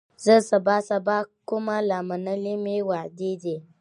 زه سبا سبا کومه لا منلي مي وعدې دي